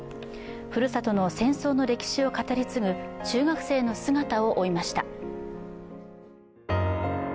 ふるさとの戦争の歴史を語り継ぐ中学生の姿を追いました。